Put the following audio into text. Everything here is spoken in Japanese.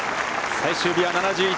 最終日は７１。